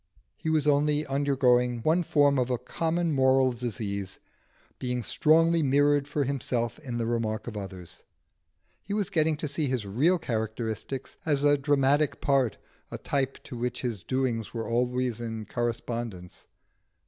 He was only undergoing one form of a common moral disease: being strongly mirrored for himself in the remark of others, he was getting to see his real characteristics as a dramatic part, a type to which his doings were always in correspondence.